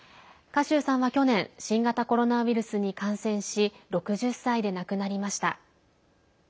賀集さんは去年新型コロナウイルスに感染し６０歳で亡くなりました。